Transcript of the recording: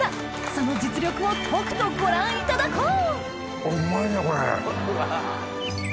その実力をとくとご覧いただこう！